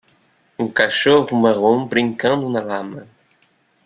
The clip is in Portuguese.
Um cachorro marrom brincando na lama.